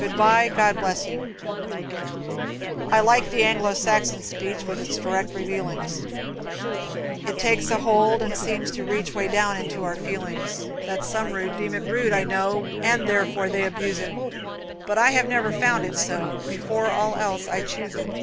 "Good Bye, God Bless You." I like the Anglo Saxon speech With its direct revealings; It takes a hold, and seems to reach Way down into our feelings That Some folks deem it rude, I know, And therefore they abuse it; But I have never found it so Before all else I choose it.